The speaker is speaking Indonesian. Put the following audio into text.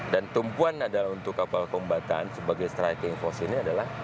dan tumpuan untuk kapal kombatan sebagai striking force ini adalah